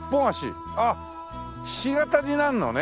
ひし形になるのね。